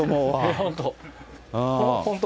本当。